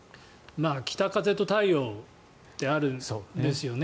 「北風と太陽」ってあるんですよね。